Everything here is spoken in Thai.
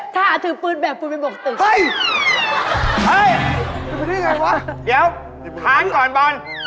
เดี๋ยวหางก่อนบอล